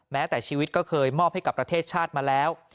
แม้แต่ชีวิตก็เคยมอบให้กับประเทศชาติมาแล้ว